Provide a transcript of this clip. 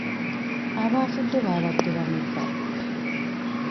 Abaafudde baabadde bameka?